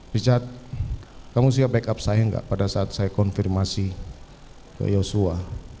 richard kamu siap backup saya nggak pada saat saya konfirmasi ke yosua